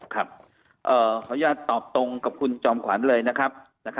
ขออนุญาตตอบตรงกับคุณจอมขวัญเลยนะครับ